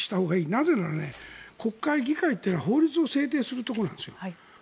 なぜなら、国会、議会というのは法律を制定するところなんです。